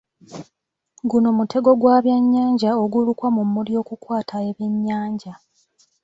Guno mutego gwa byannyanja ogulukwa mu mmuli okukwata ebyennyanja.